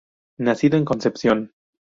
Nació en Concepción.